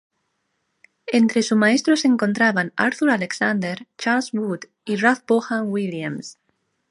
Entre su maestro se encontraban Arthur Alexander, Charles Wood y Ralph Vaughan Williams.